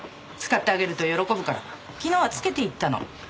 使ってあげると喜ぶから昨日は付けていったの。